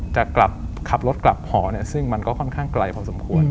จะขับรถกลับหอซึ่งมันก็ค่อนข้างไกลพอสมควร